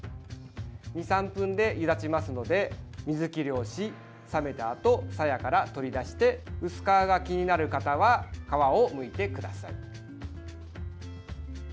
２３分でゆだちますので水切りをし冷めたあと、さやから取り出して薄皮が気になる方は皮をむいてください。